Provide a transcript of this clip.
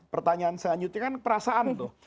pertanyaan selanjutnya kan perasaan tuh